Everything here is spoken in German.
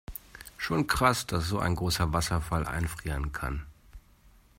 Schon krass, dass so ein großer Wasserfall einfrieren kann.